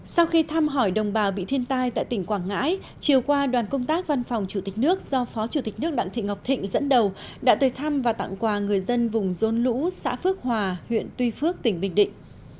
sau khi thăm hỏi đồng bào bị thiên tai tại tỉnh quảng ngãi chiều qua đoàn công tác văn phòng chủ tịch nước do phó chủ tịch nước đặng thị ngọc thịnh dẫn đầu đã tới thăm và tặng quà người dân vùng rôn lũ xã phước hòa huyện tuy phước tỉnh bình định